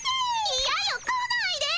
いやよ来ないで。